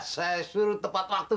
saya suruh tepat waktu